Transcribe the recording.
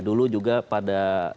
dulu juga pada